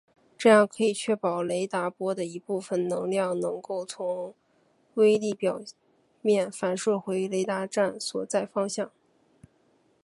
这样可以确保雷达波的一部分能量能够从微粒表面反射回雷达站所在方向。